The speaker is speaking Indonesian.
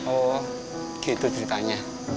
oh gitu ceritanya